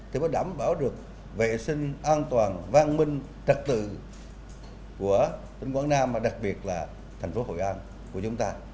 để đảm bảo được vệ sinh an toàn vang minh trật tự của tỉnh quảng nam mà đặc biệt là thành phố hội an của chúng ta